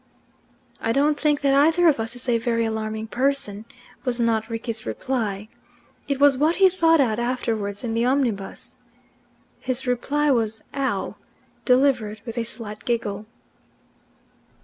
"I don't think that either of us is a very alarming person," was not Rickie's reply. It was what he thought out afterwards in the omnibus. His reply was "Ow," delivered with a slight giggle.